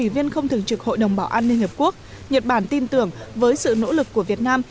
công thường trực hội đồng bảo an ninh hợp quốc nhật bản tin tưởng với sự nỗ lực của việt nam